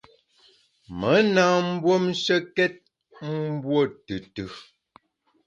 Me na mbuomshekét mbuo tùtù.